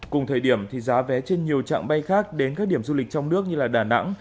cùng thời điểm thì giá vé trên nhiều trạng bay khác đến các điểm du lịch trong nước như đà nẵng